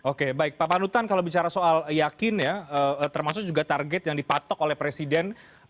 oke baik pak panutan kalau bicara soal yakin ya termasuk juga target yang dipatok oleh presiden